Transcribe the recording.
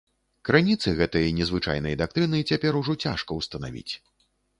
Крыніцы гэтай незвычайнай дактрыны цяпер ужо цяжка ўстанавіць.